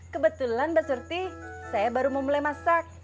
kebetulan mbak surti saya baru mau mulai masak